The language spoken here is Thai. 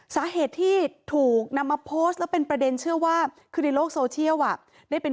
สาเหตุที่ถูกนำมาโพสต์แล้วเป็นประเด็นเชื่อว่าคือในโลกโซเชียลอ่ะได้เป็น